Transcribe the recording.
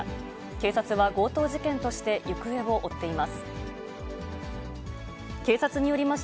警察は強盗事件として行方を追っています。